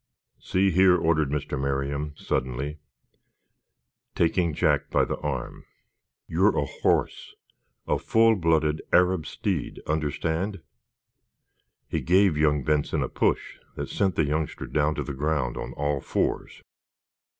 "See here," ordered Mr. Merriam, suddenly, taking Jack by the arm, "you're a horse, a full blooded Arab steed—understand!" He gave young Benson a push that sent that youngster down to the ground on all fours.